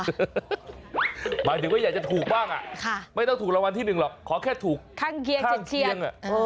หมายถึงว่าอยากจะถูกบ้างไม่ต้องถูกรางวัลที่หนึ่งหรอกขอแค่ถูกข้างเคียงข้างเคียง